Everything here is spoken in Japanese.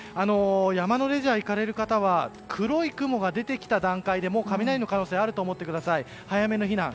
山のレジャーに行かれる方は黒い雲が出てきた段階でもう雷の可能性があると思ってください。